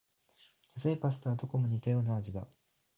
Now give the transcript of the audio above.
安いパスタはどこも似たような味だ